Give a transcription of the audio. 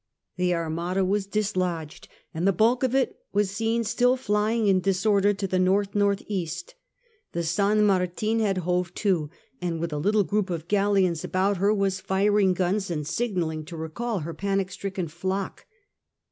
The Armada was dislodged, and the bulk of it was seen still flying in disorder to the north north east. The San Martin had hove to, and with a little group of galleons about her wa^ firing guns and signalling to recall her panic stricken flock.